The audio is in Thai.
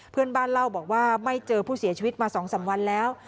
เพื่อนบ้านเล่าบอกว่าไม่เจอผู้เสียชีวิตมา๒๓วันแล้ว